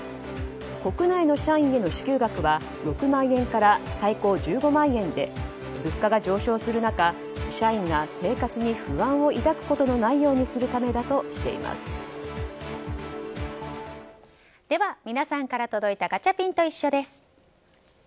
国内の社員への支給額は６万円から最高１５万円で物価が上昇する中社員が生活に不安を抱くことの皆さんから届いたガチャピンといっしょ！です。